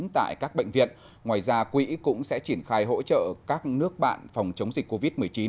tại các bệnh viện ngoài ra quỹ cũng sẽ triển khai hỗ trợ các nước bạn phòng chống dịch covid một mươi chín